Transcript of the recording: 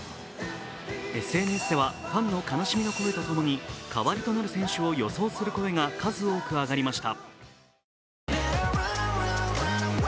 ＳＮＳではファンの悲しみの声とともに代わりとなる選手を予想する声が多く上がりました。